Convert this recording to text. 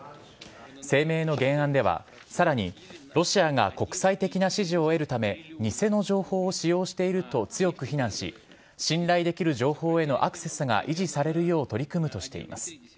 声明の原案では、さらにロシアが国際的な支持を得るため偽の情報を使用していると強く非難し信頼できる情報へのアクセスが維持されるよう取り組むとしています。